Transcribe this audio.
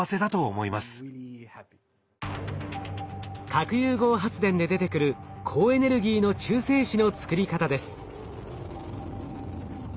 核融合発電で出てくる高エネルギーの中性子の作り方です。